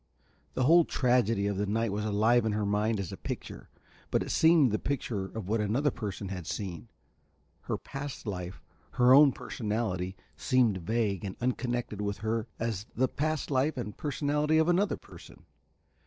The whole tragedy of the night was alive in her mind as a picture, but it seemed the picture of what another person had seen. Her past life, her own personality, seemed vague and unconnected with her as the past life and personality of another person.